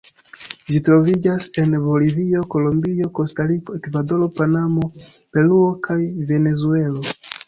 Ĝi troviĝas en Bolivio, Kolombio, Kostariko, Ekvadoro, Panamo, Peruo kaj Venezuelo.